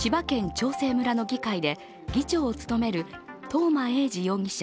長生村の議会で議長を務める東間永次容疑者